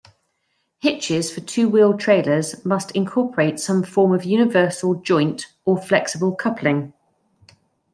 Hitches for two-wheel trailers must incorporate some form of universal joint or flexible coupling.